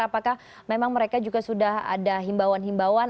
apakah memang mereka juga sudah ada himbauan himbauan